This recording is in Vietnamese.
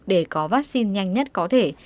để có vaccine nhanh nhất có thể